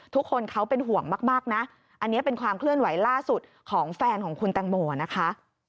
ทุกคนเขาเป็นห่วงมากนะอันนี้เป็นความเคลื่อนไหวล่าสุดของแฟนของคุณแตงโมนะคะ